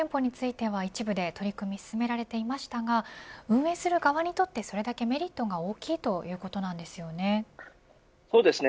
これまでも無人店舗については一部で取り組みが進められていましたが運営する側にとってそれだけメリットが大きいということなんですよね。